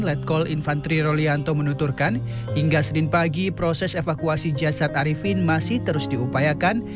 letkol infantri rolianto menuturkan hingga senin pagi proses evakuasi jasad arifin masih terus diupayakan